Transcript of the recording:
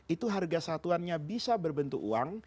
itu harga satuannya bisa berbentuk uang